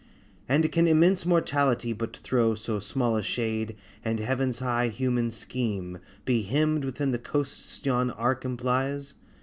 And can immense Mortality but throw So small a shade, and Heaven's high human scheme Be hemmed within the coasts yon arc implies?